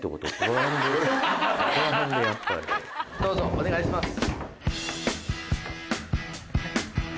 どうぞお願いします。